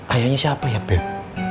ayahnya siapa ya beb